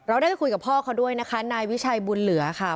ได้ไปคุยกับพ่อเขาด้วยนะคะนายวิชัยบุญเหลือค่ะ